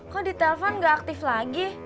kok di telpon gak aktif lagi